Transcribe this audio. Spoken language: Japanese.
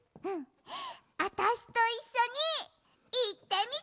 あたしといっしょにいってみて！